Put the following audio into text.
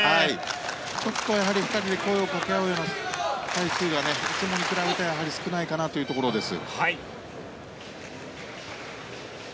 ちょっと２人で声をかけ合うような回数がいつもに比べて少ないかなというところです。